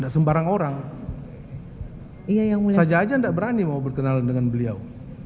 sembarang orang saja aja gak berani mau berkenalan dengan beliau